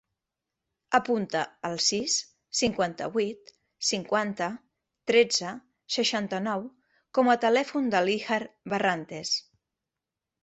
Apunta el sis, cinquanta-vuit, cinquanta, tretze, seixanta-nou com a telèfon de l'Iyad Barrantes.